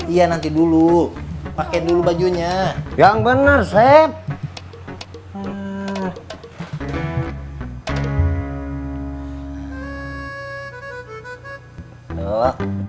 ia nanti dulu pakai dulu bajunya yang bener